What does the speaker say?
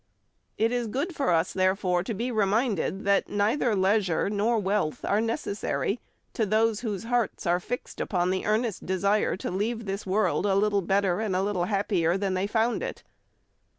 It is good for us, therefore, to be reminded that neither leisure nor wealth are necessary to those whose hearts are fixed upon the earnest desire to leave this world a little better and a little happier than they found it.